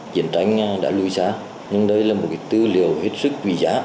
chiến tranh đã lùi xa nhưng đây là một tư liệu hết sức quý giá